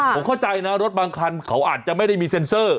ผมเข้าใจนะรถบางคันเขาอาจจะไม่ได้มีเซ็นเซอร์